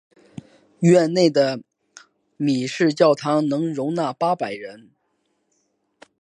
院内的米市教堂能容八百人。